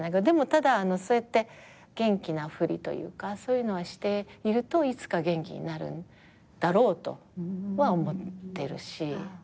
でもただそうやって元気なふりというかそういうのはしているといつか元気になるんだろうとは思ってるし。